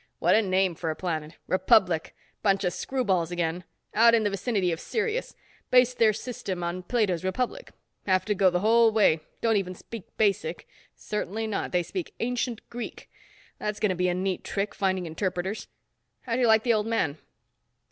"What a name for a planet. Republic. Bunch of screw balls, again. Out in the vicinity of Sirius. Based their system on Plato's Republic. Have to go the whole way. Don't even speak Basic. Certainly not. They speak Ancient Greek. That's going to be a neat trick, finding interpreters. How'd you like the Old Man?"